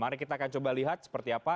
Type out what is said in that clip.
mari kita akan coba lihat seperti apa